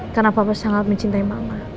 karena papa sangat mencintai mama